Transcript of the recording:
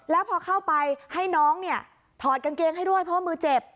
แล้วพอเข้าไปให้น้องเนี่ยถอดกางเกงให้ด้วยเพราะว่ามือเจ็บ